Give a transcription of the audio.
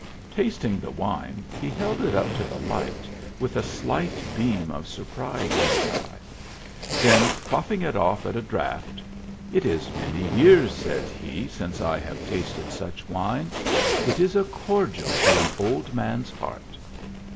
Tasting the wine, he held it up to the light, with a slight beam of surprise in his eye ; then quaff ing it off at a draught :" It is many years," said he, " since I have tasted such wine. It is a cordial to an old man s heart."